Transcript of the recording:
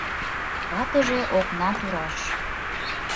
Ватыже окна тураш